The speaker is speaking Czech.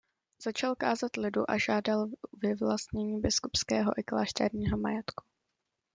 Začal kázat lidu a žádal vyvlastnění biskupského i klášterního majetku.